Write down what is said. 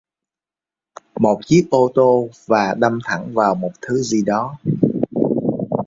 Một chiếc ô tô và đâm thẳng vào một thứ gì đó